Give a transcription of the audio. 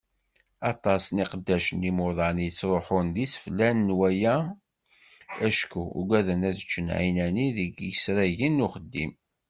Aṭas n yiqeddacen imuḍan i yettruḥun d iseflan n waya acku uggaden ad ččen ɛinani deg yisragen n uxeddim.